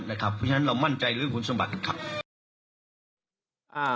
เพราะฉะนั้นเรามั่นใจเรื่องหุ้นสมบัติของพวกเรา